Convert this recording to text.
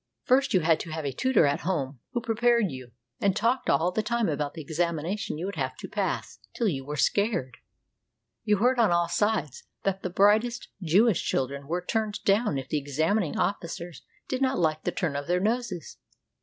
First, you had to have a tutor at home, who prepared you, and talked all the time about the examination you would have to pass, till you were scared. You heard on 246 A LITTLE JEWISH GIRL IN RUSSIA all sides that the brightest Jewish children were turned down it the examining officers did not like the turn of their noses.